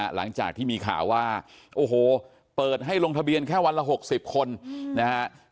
หลังจากที่มีข่าวว่าโอ้โหเปิดให้ลงทะเบียนแค่วันละ๖๐คนนะฮะ